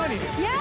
や